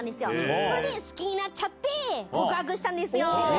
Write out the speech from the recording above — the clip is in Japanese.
それで、好きになっちゃって、告白したんですよ。